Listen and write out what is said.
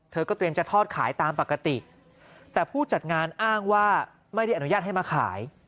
เธอก็เตรียมจะทอดขายตามปกติแต่ผู้จัดงานอ้างว่าไม่ได้อนุญาตให้มาขาย